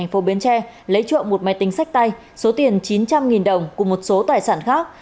lê quốc hùng lấy trộm một máy tính sách tay số tiền chín trăm linh đồng cùng một số tài sản khác